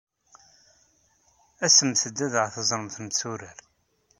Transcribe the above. Asemt-d ad aɣ-teẓremt netturar.